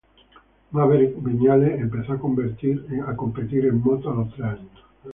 Maverick Viñales empezó a competir en moto a los tres años.